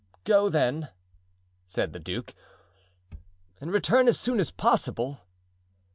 "Go, then," said the duke, "and return as soon as possible."